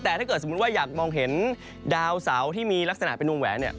แต่ถ้าเกิดสมมุติว่าอยากมองเห็นดาวเสาที่มีลักษณะเป็นวงแหวนเนี่ย